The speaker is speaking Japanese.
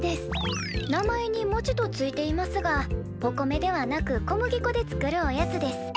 「名前に『もち』とついていますがお米ではなく小麦粉で作るおやつです。